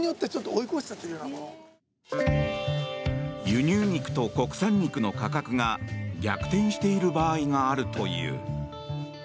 輸入肉と国産肉の価格が逆転している場合があるという。